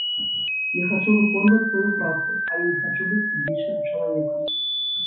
Я хачу выконваць сваю працу, але не хачу быць публічным чалавекам.